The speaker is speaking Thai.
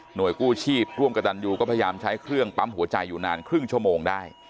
โดยกู้ชีพร่วมกระตันยูก็พยายามใช้เครื่องปั๊มหัวใจอยู่นานครึ่งชั่วโมงได้